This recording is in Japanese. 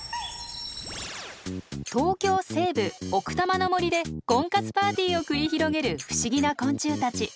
東京西部奥多摩の森で婚活パーティーを繰り広げる不思議な昆虫たち。